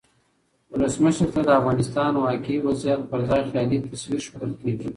ولسمشر ته د افغانستان واقعي وضعیت پرځای خیالي تصویر ښودل کیږي.